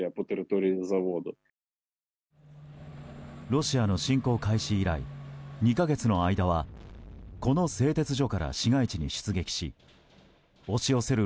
ロシアの侵攻開始以来２か月の間はこの製鉄所から市街地に出撃し押し寄せる